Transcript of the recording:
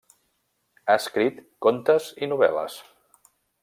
Ha escrit contes i novel·les.